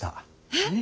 えっ！